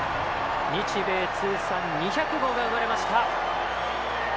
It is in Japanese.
日米通算２００号が生まれました！